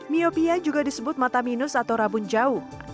miopia juga disebut mata minus atau rabun jauh